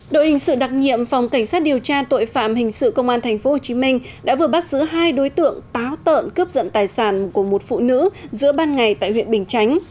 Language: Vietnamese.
đội hình sự đặc nhiệm phòng cảnh sát điều tra tội phạm hình sự công an tp hcm đã vừa bắt giữ hai đối tượng táo tợn cướp dận tài sản của một phụ nữ giữa ban ngày tại huyện bình chánh